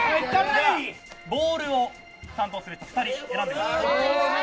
ボールを担当する２人を選んでください。